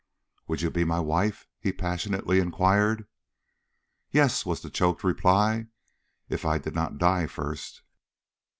"Would you be my wife?" he passionately inquired. "Yes," was the choked reply; "if I did not die first."